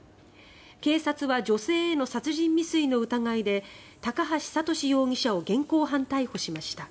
警察は女性への殺人未遂の疑いで高橋智容疑者を現行犯逮捕しました。